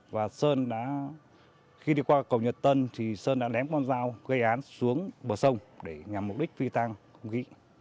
và sơn đã khi đi qua cầu nhật tân thì sơn đã ném con dao gây án xuống bờ sông để nhằm mục đích phi tăng không khí